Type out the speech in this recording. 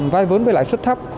vai vốn với lãi suất thấp